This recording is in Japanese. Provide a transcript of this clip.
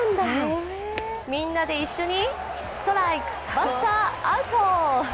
みんなで一緒に、ストライク、バッターアウト！